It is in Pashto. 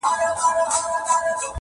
په ذهن کې درې ځله نه وي تېرې کړې.